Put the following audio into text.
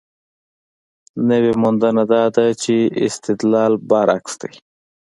نوې موندنه دا ده چې استدلال برعکس دی.